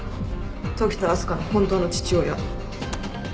時田明日香の本当の父親。